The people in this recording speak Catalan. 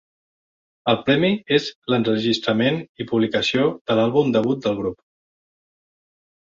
El premi és l'enregistrament i publicació de l'àlbum debut del grup.